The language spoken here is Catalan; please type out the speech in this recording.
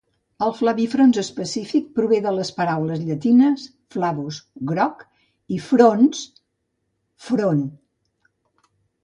El "flavifrons" específic prové de les paraules llatines "flavus", "groc" i "frons", "front".